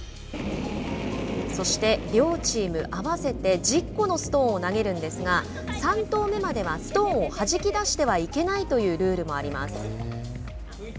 そして両チーム合わせて１０個のストーンを投げるんですが３投目までは、ストーンをはじき出してはいけないというルールもあります。